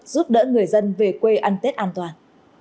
giúp đỡ người dân về quê ăn tết an toàn